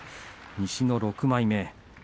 西の６枚目。